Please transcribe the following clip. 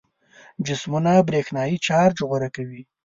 جسمونه برېښنايي چارج غوره کوي.